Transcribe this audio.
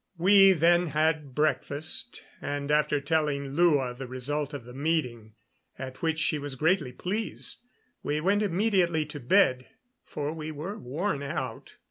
We then had breakfast, and after telling Lua the result of the meeting at which she was greatly pleased we went immediately to bed, for we were worn out.